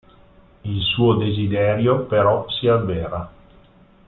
Il suo desiderio però si avvera.